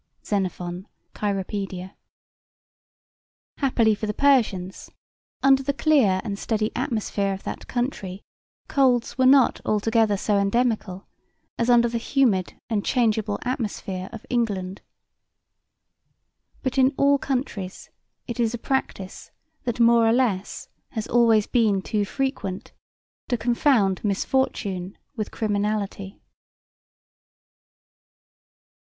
(Xenophon, cyropaedia. J.B.) Happily for the Persians under the clear and steady atmosphere of that country colds were not altogether so endemical as under the humid and changeable atmosphere of England. But in all countries it is a practise that more or less has always been too frequent to confound misfortune with criminality.